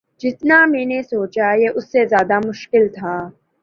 جتنا میں نے سوچا یہ اس سے زیادہ مشکل تھا